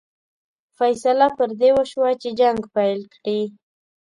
فیصله پر دې وشوه چې جنګ پیل کړي.